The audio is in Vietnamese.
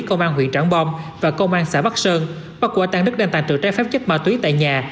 công an huyện trảng bom và công an xã bắc sơn bắt quả tàn đứt đàn tàn trữ trái phép chất ma túy tại nhà